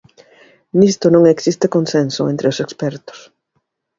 Nisto non existe consenso entre os expertos.